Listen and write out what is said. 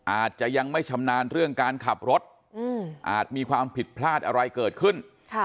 อาจจะยังไม่ชำนาญเรื่องการขับรถอาจมีความผิดพลาดอะไรเกิดขึ้น